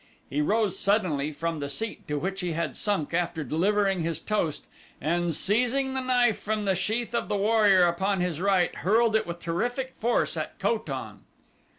He rose suddenly from the seat to which he had sunk after delivering his toast and seizing the knife from the sheath of the warrior upon his right hurled it with terrific force at Ko tan.